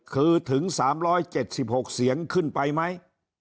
คือถึง๓๗๖เสียงขึ้นไปไหม